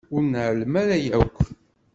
Ur nɛellem ara yakk.